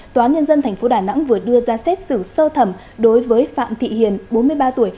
tòa nhân dân tp đà nẵng vừa đưa ra xét xử sơ thẩm đối với phạm thị hiền bốn mươi ba tuổi